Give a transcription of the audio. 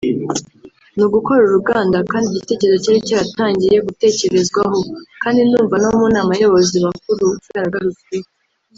ni ugukora uru ruganda kandi igitekerezo cyari cyaratangiye gutekerezwaho kandi ndumva no mu nama y’abayobozi bakuru cyaragarutsweho